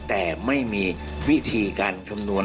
แต่ไม่มีวิธีการคำนวณ